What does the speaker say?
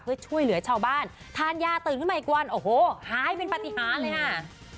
เพื่อช่วยเหลือชาวบ้านทานยาตื่นขึ้นมาอีกวันโอ้โหหายเป็นปฏิหารเลยค่ะ